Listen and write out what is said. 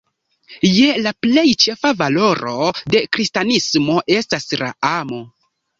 Ja la plej ĉefa valoro de kristanismo estas la amo.